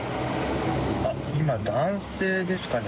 今、男性ですかね。